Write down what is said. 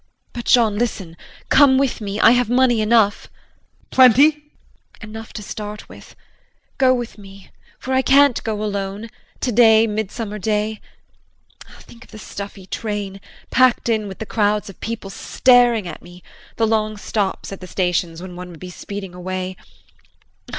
But, Jean, listen come with me, I have money enough. JEAN. Plenty? JULIE. Enough to start with. Go with me for I can't go alone today, midsummer day. Think of the stuffy train, packed in with the crowds of people staring at one; the long stops at the stations when one would be speeding away.